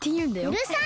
うるさい！